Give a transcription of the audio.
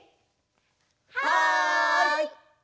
はい！